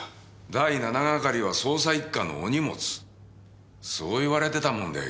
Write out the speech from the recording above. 第７係は捜査一課のお荷物そう言われてたもんだよ